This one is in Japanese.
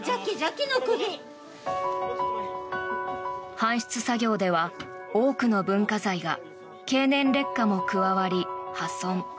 搬出作業では多くの文化財が経年劣化も加わり破損。